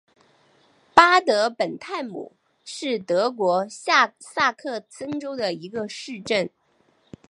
巴德本泰姆是德国下萨克森州的一个市镇。